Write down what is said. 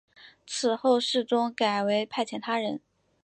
此后世宗改为派遣他人。